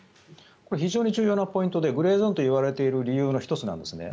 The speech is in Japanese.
非常に重要なポイントでグレーゾーンといわれている理由の１つなんですね。